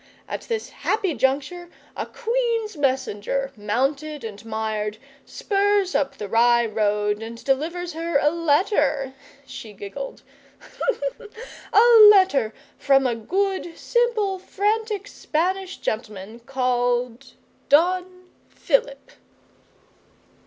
At this happy juncture a Queen's messenger, mounted and mired, spurs up the Rye road and delivers her a letter' she giggled 'a letter from a good, simple, frantic Spanish gentleman called Don Philip.